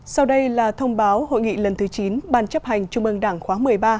sau đây là thông báo hội nghị lần thứ chín bàn chấp hành chung mương đảng khóa một mươi ba